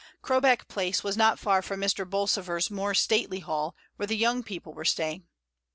Crowbeck Place was not far from Mr. Bolsover's more stately hall, where the young people were staying.